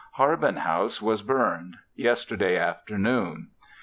Harbin house was burned yesterday afternoon.